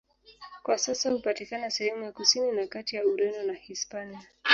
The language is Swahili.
Kwa sasa hupatikana sehemu ya kusini na kati ya Ureno na Hispania.